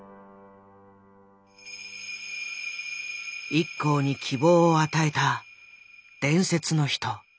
ＩＫＫＯに希望を与えた伝説の人。